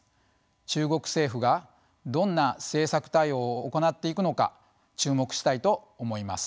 中国政府がどんな政策対応を行っていくのか注目したいと思います。